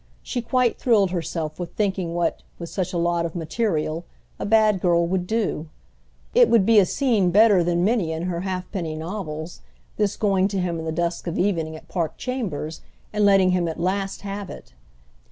She quite thrilled herself with thinking what, with such a lot of material, a bad girl would do. It would be a scene better than many in her ha'penny novels, this going to him in the dusk of evening at Park Chambers and letting him at last have it.